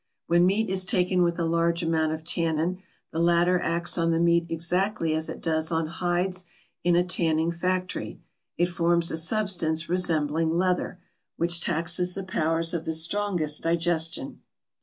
When meat is taken with a large amount of tannin, the latter acts on the meat exactly as it does on hides in a tanning factory. It forms a substance resembling leather, which taxes the powers of the strongest digestion.